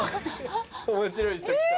面白い人来た。